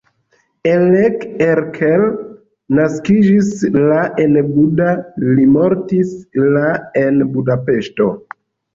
Elek Erkel naskiĝis la en Buda, li mortis la en Budapeŝto.